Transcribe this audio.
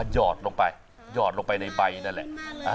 ยอดลงไปในใบนั้นแหละ